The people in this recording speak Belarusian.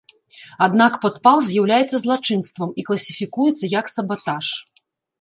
Аднак падпал з'яўляецца злачынствам і класіфікуецца як сабатаж.